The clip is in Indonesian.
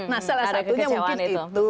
nah salah satunya mungkin itu